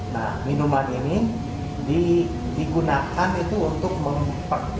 nah minuman ini digunakan itu untuk memperkuat fungsi paru paru